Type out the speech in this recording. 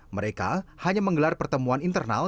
mereka hanya menggelar pertemuan internal